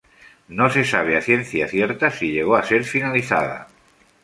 No se sabe a ciencia cierta si llegó a ser finalizada.